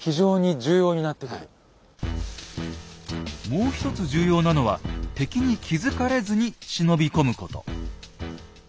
もう一つ重要なのは敵に気付かれずに忍び込むこと。